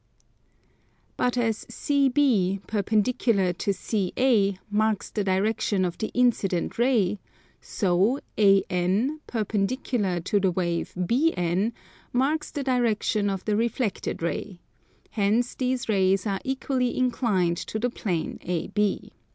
But as CB, perpendicular to CA, marks the direction of the incident ray, so AN, perpendicular to the wave BN, marks the direction of the reflected ray; hence these rays are equally inclined to the plane AB.